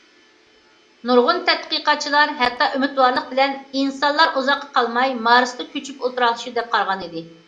نۇرغۇن تەتقىقاتچىلار ھەتتا ئۈمىدۋارلىق بىلەن ئىنسانلار ئۇزاققا قالماي مارستا كۆچۈپ ئولتۇراقلىشىدۇ، دەپ قارىغانىدى.